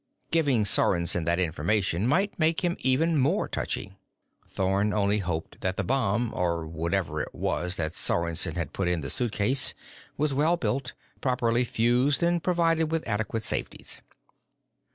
Giving Sorensen that information might make him even more touchy. Thorn only hoped that the bomb, or whatever it was that Sorensen had put in the suitcase, was well built, properly fused, and provided with adequate safeties.